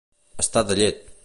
Estar de llet.